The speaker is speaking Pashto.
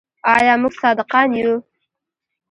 آیا موږ صادقان یو؟